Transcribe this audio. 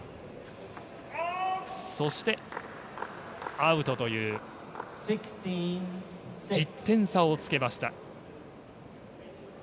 アウトという１０点差をつけました。